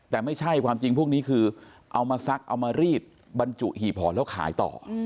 แต่ไม่ใช่ความจริงพวกนี้คือเอามาซักเอามารีดบรรจุหีบห่อแล้วขายต่อ